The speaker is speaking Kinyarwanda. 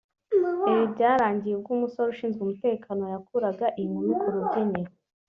Ibi byarangiye ubwo umusore ushinzwe umutekano yakuraga iyi nkumi ku rubyiniro